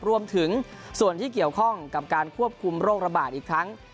รวมถึงส่วนที่เกี่ยวข้องกับการควบคุมโรคระบาดอีกครั้ง